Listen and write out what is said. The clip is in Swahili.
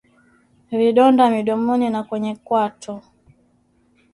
Vidonda midomoni na kwenye kwato